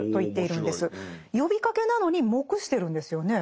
呼びかけなのに黙してるんですよね。